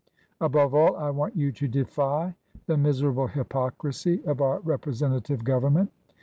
Above all, I want you to defy the miserable hypocrisy of our representative government.